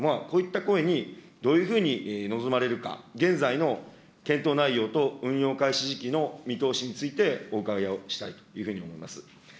こういった声に、どういうふうに臨まれるか、現在の検討内容と運用開始時期の見通しについて、お伺いをしたいというふうに思います。